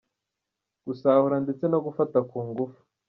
Gusahura ndetse no gufata ku ngufu!